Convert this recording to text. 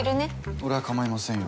俺はかまいませんよ